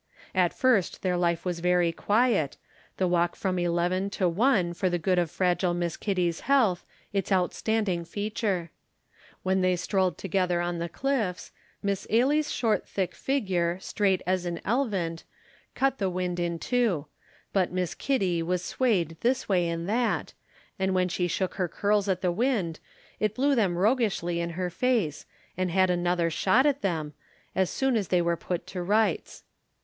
At first their life was very quiet, the walk from eleven to one for the good of fragile Miss Kitty's health its outstanding feature. When they strolled together on the cliffs, Miss Ailie's short thick figure, straight as an elvint, cut the wind in two, but Miss Kitty was swayed this way and that, and when she shook her curls at the wind, it blew them roguishly in her face, and had another shot at them, as soon as they were put to rights.